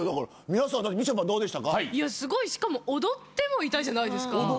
すごいしかも踊ってもいたじゃないですか。